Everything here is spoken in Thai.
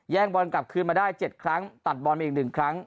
งบอลกลับคืนมาได้๗ครั้งตัดบอลไปอีก๑ครั้ง